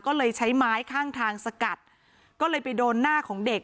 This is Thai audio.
ก็เลยใช้ไม้ข้างทางสกัดก็เลยไปโดนหน้าของเด็ก